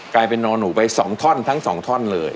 กลายเป็นนอนูไปสองท่อนทั้งสองท่อนเลย